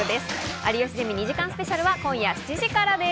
『有吉ゼミ２時間スペシャル』は今夜７時からです。